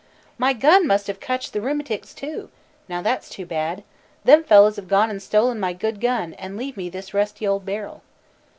"My gun must have cotched the rheumatix too. Now that's too bad. Them fellows have gone and stolen my good gun, and leave me this rusty old barrel.